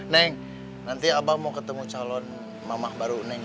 neng nanti abang mau ketemu calon mamah baru neng